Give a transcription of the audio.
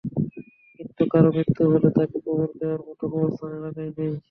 কিন্তু কারও মৃত্যু হলে তাকে কবর দেওয়ার মতো কবরস্থান এলাকায় নেই।